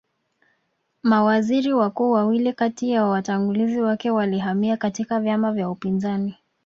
Mawaziri wakuu wawili kati ya watangulizi wake walihamia katika vyama vya upinzani